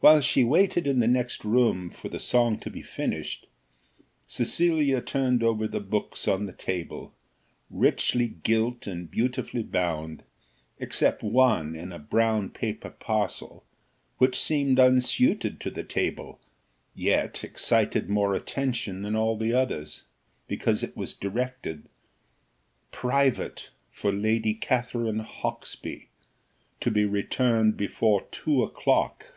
While she waited in the next room for the song to be finished, Cecilia turned over the books on the table, richly gilt and beautifully bound, except one in a brown paper parcel, which seemed unsuited to the table, yet excited more attention than all the others, because it was directed _"Private for Lady Katherine Hawksby to be returned before two o'clock."